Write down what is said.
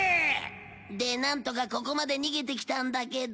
でなんとかここまで逃げて来たんだけど。